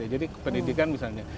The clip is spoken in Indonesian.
jadi pendidikan misalnya